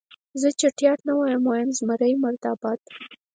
زه چټیات نه وایم، وایم زمري مرده باد.